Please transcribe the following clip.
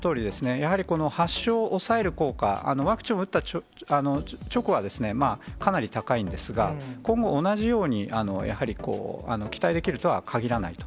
やはり、発症を抑える効果、ワクチンを打った直後は、かなり高いんですが、今後、同じように、やはり期待できるとは限らないと。